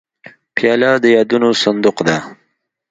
پیاله د یادونو صندوق ده.